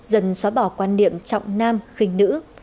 dần xóa bỏ quan điểm trọng nam khinh nữ